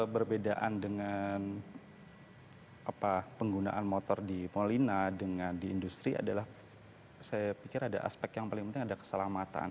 perbedaan dengan penggunaan motor di molina dengan di industri adalah saya pikir ada aspek yang paling penting ada keselamatan